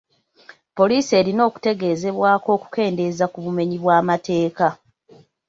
Police erina okutegezebwako okukendeeza ku bumenyi bw'amateeka.